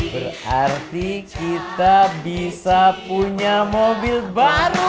berarti kita bisa punya mobil baru